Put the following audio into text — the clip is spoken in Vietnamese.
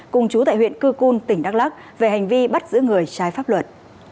cùng chú tại huyện cư cun tỉnh đắk lắc về hành vi bắt giữ người trái pháp luật